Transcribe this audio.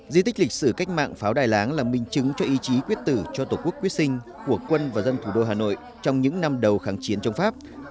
di tích lịch sử cách mạng pháo đài láng là minh chứng cho ý chí quyết tử cho tổ quốc quyết sinh của quân và dân thủ đô hà nội trong những năm đầu kháng chiến chống pháp